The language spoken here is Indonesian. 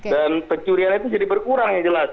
dan pencurian itu jadi berkurang yang jelas